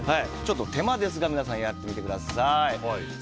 手間ですが皆さん、やってみてください。